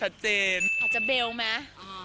อาจจะเบลมั้ย